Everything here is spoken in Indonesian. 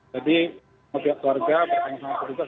jadi pihak warga bersama sama petugas